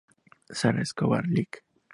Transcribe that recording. Sarah Escobar, Lic.